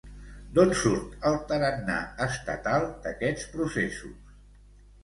D'on surt el tarannà estatal d'aquests processos?